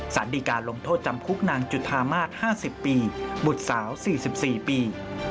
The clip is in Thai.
สัดดิกาลงโทษจำคลุกนางจุธาม่า๕๐ปีบุษาว๔๔ปี